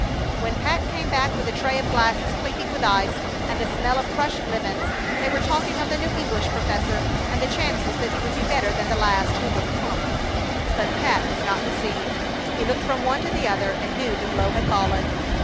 When Pat came back with a tray of glasses clinking with ice, and the smell of crushed lemons, they were talking of the new English professor and the chances that he would be better than the last, who was "punk." But Pat was not deceived. He looked from one to the other and knew the blow had fallen.